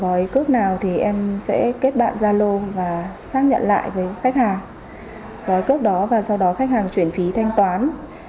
với gói cước nào thì em sẽ kết bạn gia lộ và xác nhận lại với khách hàng gói cước đó và sau đó khách hàng chuyển phí thanh toán